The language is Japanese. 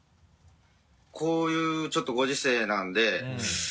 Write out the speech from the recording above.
こういうちょっとご時世なんで。